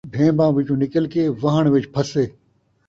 ڈھیمباں وچوں نکل کے وہݨ وچ پھسّے